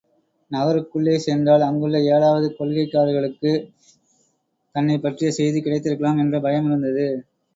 நகருக்குள்ளே சென்றால், அங்குள்ள ஏழாவது கொள்கைக்காரர்களுக்குத் தன்னைப் பற்றிய செய்தி கிடைத்திருக்கலாம் என்ற பயம் இருந்தது.